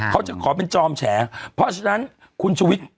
เขาจะขอเป็นจอมแฉเพราะฉะนั้นคุณชุวิต